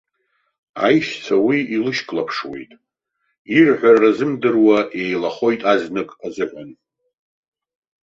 Аишьцәа уи илышьклаԥшуеит, ирҳәара рзымдыруа еилахоит азнык азыҳәан.